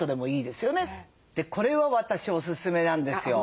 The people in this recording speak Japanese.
これは私おすすめなんですよ。